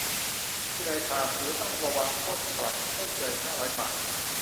ผู้ใดฝ่าฝืน ต้องระวางโทษปรับไม่เกินห้าร้อยบาท